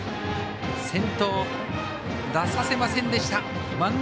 先頭、出させませんでした。